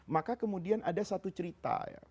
maka kemudian ada satu cerita